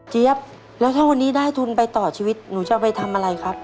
เจี๊ยบแล้วถ้าวันนี้ได้ทุนใบต่อชีวิตหนูจะไปทำอะไรครับ